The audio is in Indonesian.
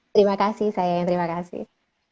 terima kasih sayang terima kasih